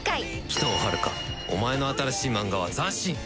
鬼頭はるかお前の新しいマンガは斬新！